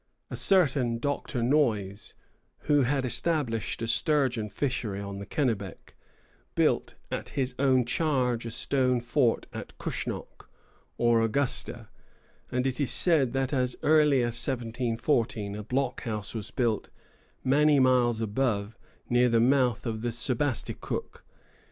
A certain Dr. Noyes, who had established a sturgeon fishery on the Kennebec, built at his own charge a stone fort at Cushnoc, or Augusta; and it is said that as early as 1714 a blockhouse was built many miles above, near the mouth of the Sebasticook.